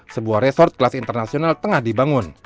sebuah resort kelas internasional tengah dibangun